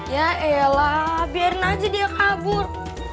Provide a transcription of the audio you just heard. ya elah biarin aja dia kabur